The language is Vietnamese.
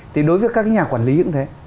thì đối với các nhà quản lý cũng thế